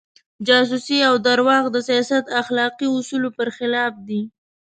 جاسوسي او درواغ د سیاست اخلاقي اصولو پر خلاف دي.